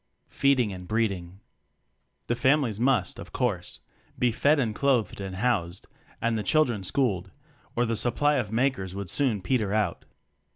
Feeding and Breeding. The families must, of course, be UMJ clothed and housed, and the children schooled, or the supply of Makers would soon peter out.